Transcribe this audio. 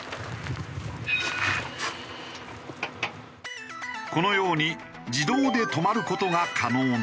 このように自動で止まる事が可能なのだ。